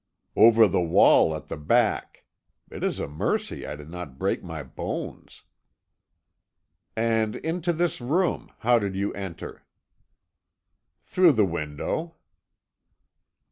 "Over the wall at the back. It is a mercy I did not break my bones." "And into this room how did you enter?" "Through the window."